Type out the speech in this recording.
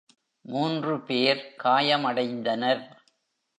மூன்று பேர் காயமடைந்தனர்.